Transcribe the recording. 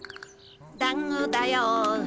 だんごだよ。